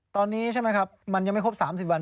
ตอนนี้ใช่ไหมครับมันยังไม่ครบ๓๐วัน